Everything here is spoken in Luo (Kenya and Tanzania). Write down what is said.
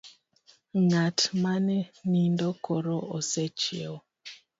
Ng'at mane nindo koro osechiewo.